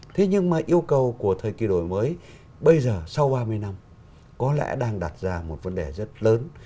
thế nhưng mà yêu cầu của thời kỳ đổi mới bây giờ sau ba mươi năm có lẽ đang đặt ra một vấn đề rất lớn